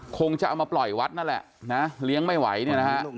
คงจะเอามาปล่อยวัดนั่นแหละนะเลี้ยงไม่ไหวเนี่ยนะฮะ